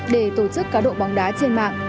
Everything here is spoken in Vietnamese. để tổ chức cá độ bóng đá trên mạng